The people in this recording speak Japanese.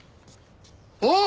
あっ！